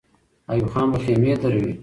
ایوب خان به خېمې دروي.